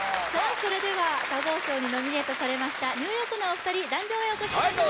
それでは多忙賞にノミネートされましたニューヨークのお二人壇上へお越しください